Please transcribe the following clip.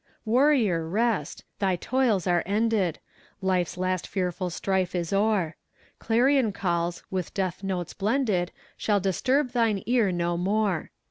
Warrior, rest! thy toils are ended: Life's last fearful strife is o'er; Clarion calls, with death notes blended, Shall disturb thine ear no more!